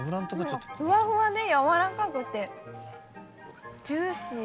ふわふわで軟らかくてジューシー。